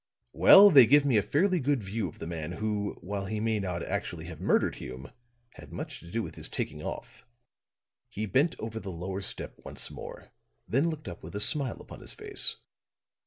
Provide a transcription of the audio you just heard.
"Well, they give me a fairly good view of the man who, while he may not actually have murdered Hume, had much to do with his taking off." He bent over the lower step once more, then looked up with a smile upon his face.